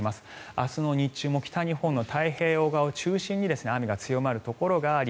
明日の日中も北日本の太平洋側を中心に雨が強まるところがあり